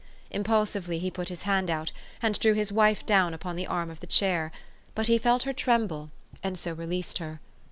Impulsively he put his hand out, and drew his wife down upon the arm of the chair ; but he felt her tremble, and so released her.